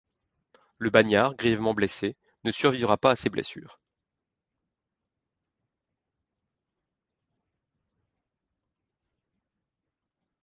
Le bagnard, grièvement blessé, ne survivra pas à ses blessures...